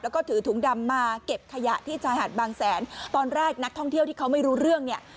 แล้วก็ถือถุงดำมาเก็บขยะที่ชายหาดบางแสนตอนแรกนักท่องเที่ยวที่เขาไม่รู้เรื่องเนี่ย